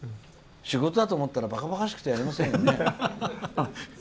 仕事だと思ったらばかばかしくてやりませんよね。